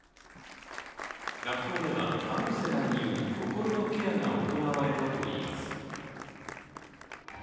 学校では、カウンセラーによる心のケアが行われたといいます。